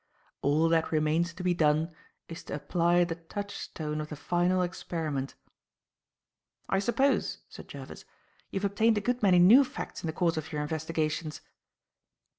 All that remains to be done is to apply the touchstone of the final experiment." "I suppose," said Jervis, "you have obtained a good many new facts in the course of your investigations?"